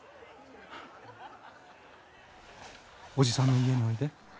おじさんの家においで。